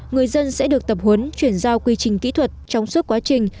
người dân sẽ được tập huấn chuyển giao quy trình kỹ thuật trong suốt quá trình